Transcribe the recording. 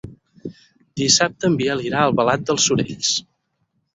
Dissabte en Biel irà a Albalat dels Sorells.